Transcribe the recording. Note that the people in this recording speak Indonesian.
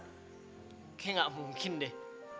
kayaknya nggak mungkin deh